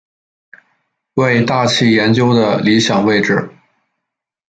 为大气研究的理想位置。